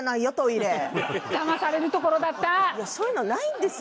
いやそういうのないんですよ。